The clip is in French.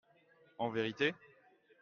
En vérité ?